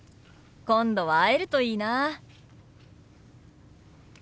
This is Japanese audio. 今度は会えるといいな。